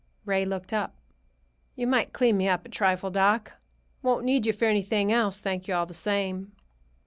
Ray looked up. "You might clean me up a trifle, doc. Won't need you for anything else, thank you all the same."